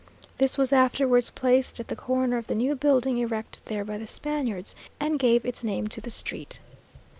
This was afterwards placed at the corner of the new building erected there by the Spaniards, and gave its name to the street.